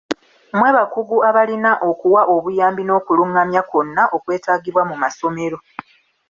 Mmwe bakugu abalina okuwa obuyambi n'okulungamya kwonna okwetaagibwa mu masomero.